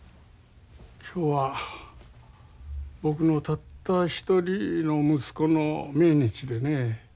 今日は僕のたった一人の息子の命日でね。